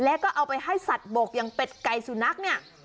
แล้วก็เอาไปให้สัตว์บกอย่างเป็ดไก่สุนัขเนี่ย